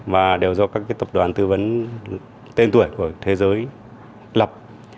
và đều do các tập đoàn tư vấn tên tuổi của thế giới lập